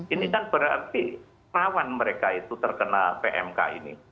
ini kan berarti rawan mereka itu terkena pmk ini